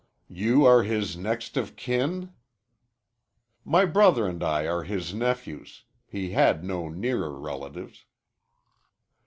"You are his next of kin?" "My brother and I are his nephews. He had no nearer relatives."